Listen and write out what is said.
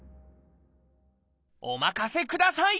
お任せください！